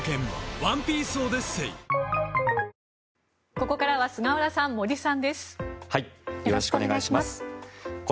ここからは菅原さん、森さんです。